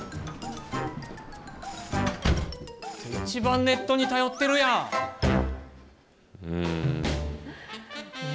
一番ネットに頼ってるやん！